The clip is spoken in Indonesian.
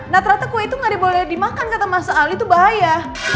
nah ternyata kue itu nggak boleh dimakan kata mas ali itu bahaya